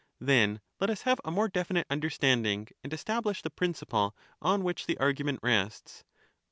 Then let us have a more definite understanding and We have establish the principle on which the argument rests.